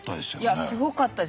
いやすごかったです。